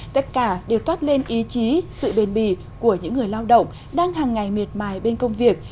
tất cả đều toát lên ý chí sự bền bì của những người lao động đang hàng ngày miệt mài bên công việc